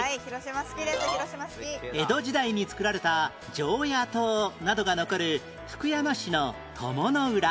江戸時代に作られた常夜燈などが残る福山市の鞆の浦